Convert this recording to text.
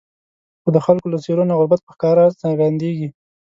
خو د خلکو له څېرو نه غربت په ښکاره څرګندېږي.